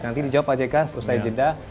nanti dijawab pak jk ustaz jeddah